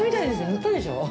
塗ったでしょう？